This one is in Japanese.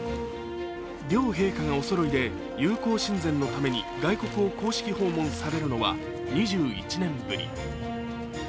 両陛下がおそろいで友好親善のために外国を公式訪問されるのは２１年ぶり。